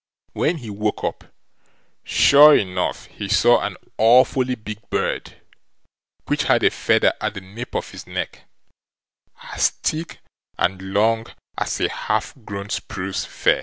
When he woke up, sure enough there he saw an awfully big bird, which had a feather at the nape of his neck, as thick and long as a half grown spruce fir.